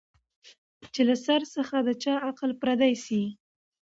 چي له سر څخه د چا عقل پردی سي